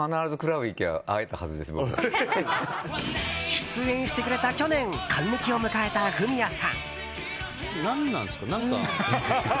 出演してくれた去年還暦を迎えたフミヤさん。